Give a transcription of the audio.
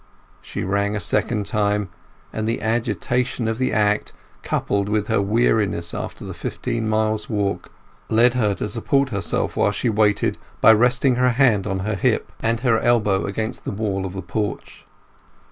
She rang a second time, and the agitation of the act, coupled with her weariness after the fifteen miles' walk, led her to support herself while she waited by resting her hand on her hip and her elbow against the wall of the porch.